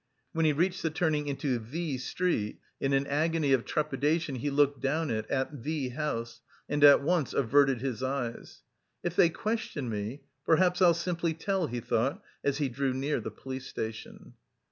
When he reached the turning into the street, in an agony of trepidation he looked down it... at the house... and at once averted his eyes. "If they question me, perhaps I'll simply tell," he thought, as he drew near the police station.